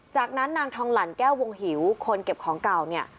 จากนั้นนางทองหลั่นแก้ววงหิวคนเก็บของเก่าเนี่ย